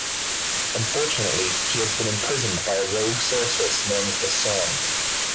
Unfortunately, he has been imprisoned by a rogue sorceress known as the Sorn.